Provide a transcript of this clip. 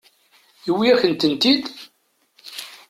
Yuwi-akent-tent-id.